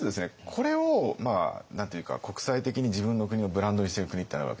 これを何て言うか国際的に自分の国をブランドにしてる国ってあるわけですよ。